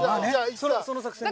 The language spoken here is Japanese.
その作戦ね。